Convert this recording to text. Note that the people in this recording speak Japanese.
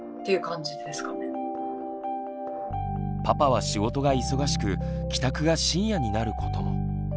パパは仕事が忙しく帰宅が深夜になることも。